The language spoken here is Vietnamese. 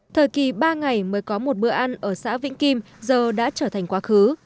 thời kỳ ba ngày mới có một bữa ăn ở xã vĩnh kim giờ đã trở thành quá khứ